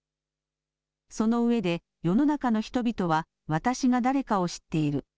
その上で、世の中の人々は私が誰かを知っている。